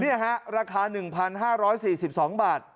เนี่ยฮะราคา๑๕๔๒บาท